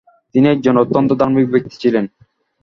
তিনি একজন অত্যন্ত ধার্মিক ব্যক্তি ছিলেন।